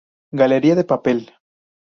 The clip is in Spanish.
Galería de Papel.